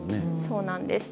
そうなんです。